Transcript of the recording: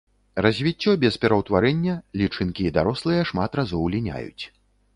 Развіццё без пераўтварэння, лічынкі і дарослыя шмат разоў ліняюць.